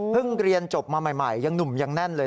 เรียนจบมาใหม่ยังหนุ่มยังแน่นเลย